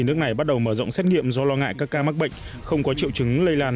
nước này bắt đầu mở rộng xét nghiệm do lo ngại các ca mắc bệnh không có triệu chứng lây lan